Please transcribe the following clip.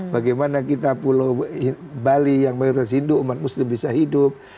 bagaimana kita pulau bali yang mayoritas hindu umat muslim bisa hidup